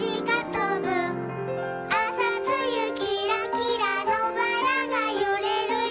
「あさつゆきらきらのばらがゆれるよ」